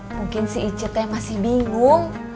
mungkin si icet teh masih bingung